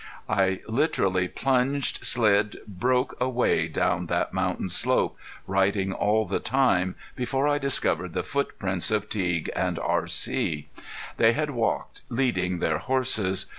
I literally plunged, slid, broke a way down that mountain slope, riding all the time, before I discovered the footprints of Teague and R.C. They had walked, leading their horses.